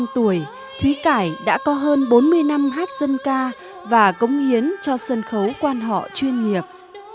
bốn mươi tuổi thúy cải đã có hơn bốn mươi năm hát dân ca và cống hiến cho sân khấu quan họ chuyên nghiệp